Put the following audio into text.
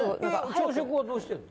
朝食はどうしてんの？